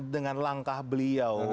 dengan langkah beliau